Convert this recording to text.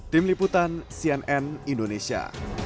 tim liputan cnn indonesia